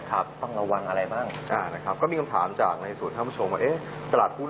เพราะว่าราคาแขวดสูงมากขายสินค้าได้มากขึ้น